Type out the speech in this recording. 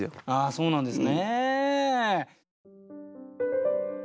そうなんですね！